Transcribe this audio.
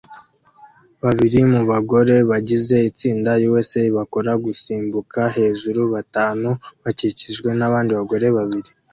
Babiri mu bagore bagize itsinda USA bakora gusimbuka hejuru-batanu bakikijwe nabandi bagore babiri